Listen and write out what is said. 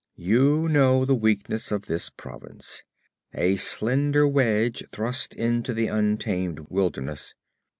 You know the weakness of this province a slender wedge thrust into the untamed wilderness.